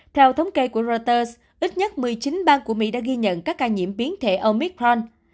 theo thống kê của reuters ít nhất một mươi chín bang của mỹ đã ghi nhận các ca nhiễm biến thể omicron